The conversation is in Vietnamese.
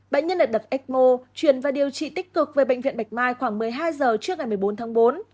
bệnh nhân lại đập ecmo truyền và điều trị tích cực về bệnh viện bạch mai khoảng một mươi hai giờ trước ngày một mươi bốn tháng bốn